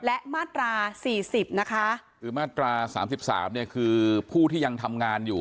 และมาตราสี่สิบนะคะคือมาตราสามสิบสามเนี่ยคือผู้ที่ยังทำงานอยู่